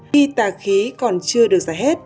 khi tà khí còn chưa được giải hết